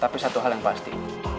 tapi satu hal yang pasti